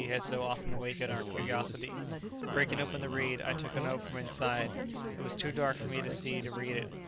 had so often awakened our curiosity; breaking open the reed, I took a note from inside; it was too dark for me to see to read it.